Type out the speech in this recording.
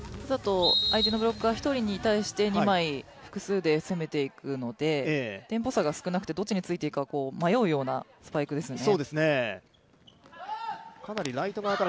相手のブロッカー１人に対して二枚、複数で攻めていくのでテンポ差が少なくてどっちについたらいいか迷うようなスパイクですね。